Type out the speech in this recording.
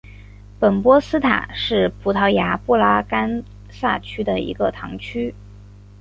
本波斯塔是葡萄牙布拉干萨区的一个堂区。